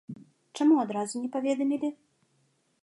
Чаму адразу не паведамілі?